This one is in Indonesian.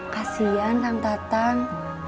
kasian yang datang